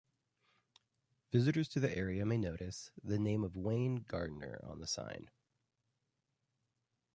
Visitors to the area may notice the name of Wayne Gardener on the sign.